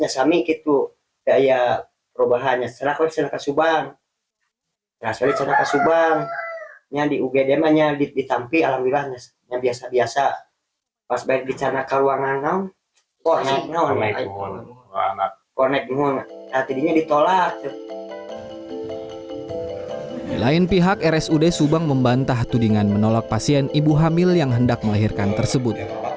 sebelum meninggal istrinya menolak pasien ibu hamil yang hendak melahirkan tersebut